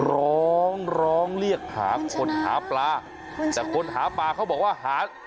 ร้องร้องเรียกหาคนหาปลาแต่คนหาปลาเขาบอกว่าหา